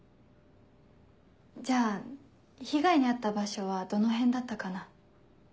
じゃあ被害に遭った場所はどの辺だったかな？